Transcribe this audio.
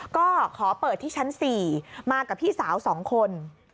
ก็ขอเปิดที่ชั้น๔มากับพี่สาว๒คน